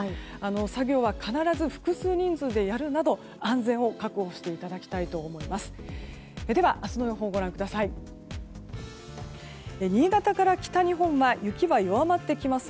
作業は必ず複数人数でやるなど安全を確保していただきたいと思います。